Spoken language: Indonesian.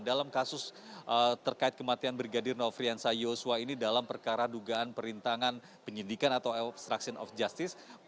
dalam kasus terkait kematian brigadir nofriansah yosua ini dalam perkara dugaan perintangan penyidikan atau obstruction of justice